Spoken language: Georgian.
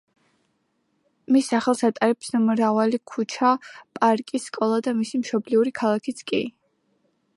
მის სახელს ატარებს მრავალი ქუჩა, პარკი, სკოლა და მისი მშობლიური ქალაქიც კი.